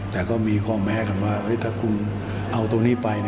แต่ก็มีข้อแม้กันว่าถ้าคุณเอาตรงนี้ไป